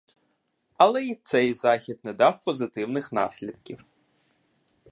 Але й цей захід не дав позитивних наслідків.